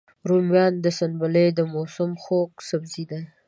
رومیان د سنبلې موسم خوږ سبزی دی